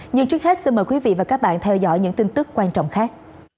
nhưng trước hết xin mời quý vị và các bạn theo dõi những tin tức quan trọng khác